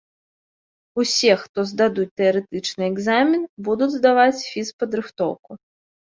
Усе, хто здадуць тэарэтычны экзамен, будуць здаваць фізпадрыхтоўку.